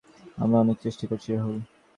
আমরা অনেক চেষ্টা করছি রাহুল।